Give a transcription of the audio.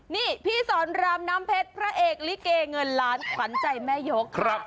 นี่พี่สอนรามน้ำเพชรพระเอกลิเกเงินล้านขวัญใจแม่ยก